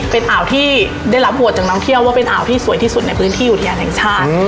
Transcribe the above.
เป็นอ่าวที่ได้รับโหวตจากน้องเที่ยวว่าเป็นอ่าวที่สวยที่สุดในพื้นที่อุทยานแห่งชาติ